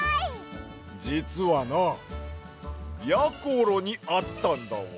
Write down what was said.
じつはなやころにあったんだわ。